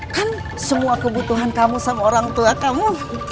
kan semua kebutuhan kamu sama orang tua kamu